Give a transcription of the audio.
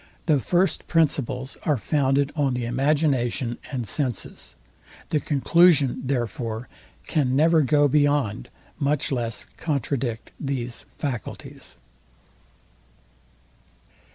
The first principles are founded on the imagination and senses: The conclusion, therefore, can never go beyond, much less contradict these faculties.